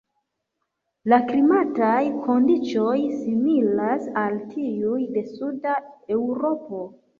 La klimataj kondiĉoj similas al tiuj de suda Eŭropo.